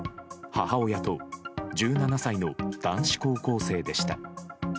母親と１７歳の男子高校生でした。